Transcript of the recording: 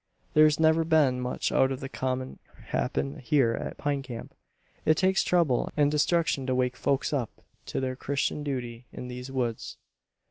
There's never been much out of the common happen here at Pine Camp. It takes trouble and destruction to wake folks up to their Christian duty in these woods.